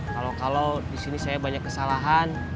kalau kalau disini saya banyak kesalahan